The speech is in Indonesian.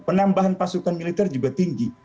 penambahan pasukan militer juga tinggi